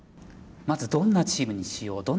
まずどんなチームにしよう